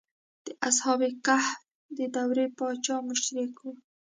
د اصحاب کهف د دور پاچا مشرک و.